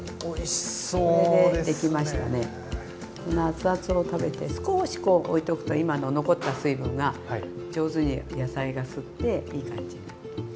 このアツアツを食べて少しおいとくと今の残った水分が上手に野菜が吸っていい感じに。